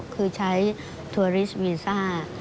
คือใช้ธุริสต์วีซ่า